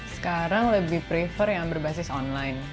sekarang lebih prefer yang berbasis online